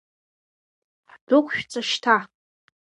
Ҳдәықәшәҵа шьҭа!